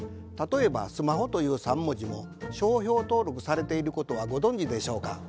例えば「スマホ」という３文字も商標登録されていることはご存じでしょうか？